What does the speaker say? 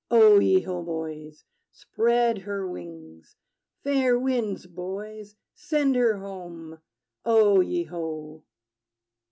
O ye ho, boys! Spread her wings! Fair winds, boys: send her home! O ye ho!